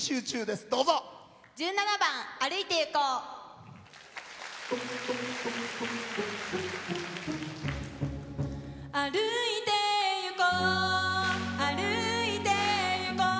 １７番「歩いていこう」。